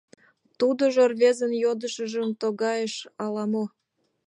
Тудыжо рвезын йодышыжым тогдайыш ала-мо.